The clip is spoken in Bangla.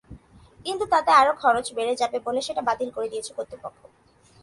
কিন্তু তাতে আরও খরচ বেড়ে যাবে বলে সেটা বাতিল করে দিয়েছে কর্তৃপক্ষ।